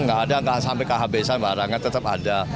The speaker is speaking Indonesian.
nggak sampai kehabisan barangnya tetap ada